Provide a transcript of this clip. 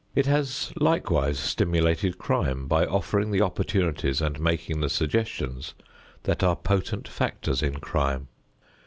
It has likewise stimulated crime by offering the opportunities and making the suggestions that are potent factors in crime.